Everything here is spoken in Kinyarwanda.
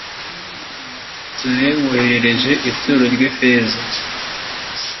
dore nkoherereje ituro ry ifeza